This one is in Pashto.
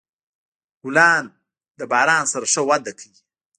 ګلان د باران سره ښه وده کوي.